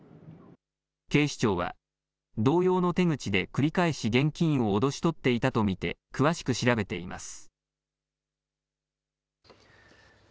警視庁は同様の手口で繰り返し現金を脅し取っていたと見て詳しく調べています。